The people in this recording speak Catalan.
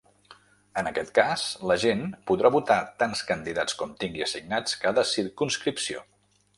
En aquest cas la gent podrà votar tants candidats com tingui assignats cada circumscripció.